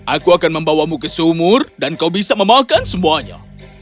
aku akan membawamu ke sumur dan kau bisa memakan semuanya